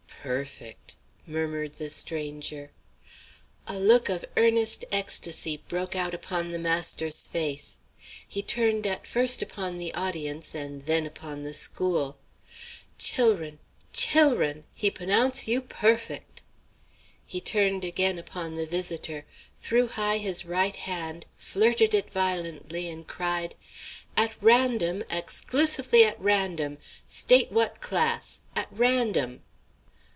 "Perfect!" murmured the stranger. A look of earnest ecstasy broke out upon the master's face. He turned at first upon the audience and then upon the school. "Chil'run, chil'run, he p'onounce you perfect!" He turned again upon the visitor, threw high his right hand, flirted it violently, and cried: "At random! exclusively at random; state what class! at random!"